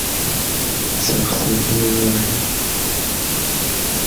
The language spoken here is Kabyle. Sexsi tiliẓṛi.